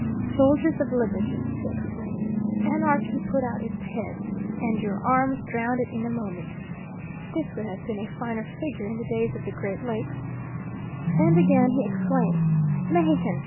"Soldiers of Liberty!" he exclaims; "Anarchy put out its head, and your arms drowned it in a moment." This would have been a finer figure in the days of the great lakes. And again he exclaims "Mexicans!